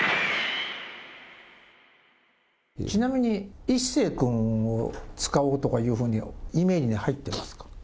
ちなみに、壱成君を使おうとかいうふうに、イメージに入ってますか。